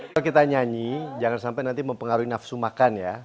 kalau kita nyanyi jangan sampai nanti mempengaruhi nafsu makan ya